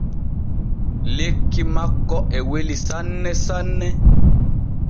Lekki makko e weli sanne sanne.